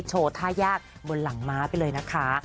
โชว์ท่ายากบนหลังม้าไปเลยนะคะ